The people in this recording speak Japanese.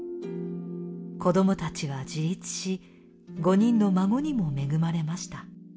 子どもたちは自立し５人の孫にも恵まれました。